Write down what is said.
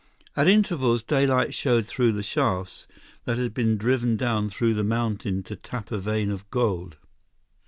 At intervals, daylight showed through shafts that had been driven down through the mountain to tap a vein of gold.